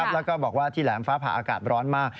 แล้วก็บอกว่าที่แหลมฟ้าผ่าอากาศร้อนมาก